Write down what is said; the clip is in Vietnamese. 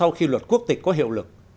đạt được luật quốc tịch có hiệu lực